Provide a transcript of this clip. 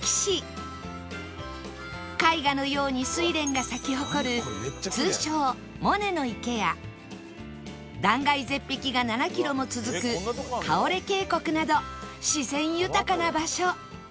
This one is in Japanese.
絵画のようにスイレンが咲き誇る通称モネの池や断崖絶壁が７キロも続く川浦渓谷など自然豊かな場所